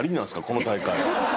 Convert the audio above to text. この大会。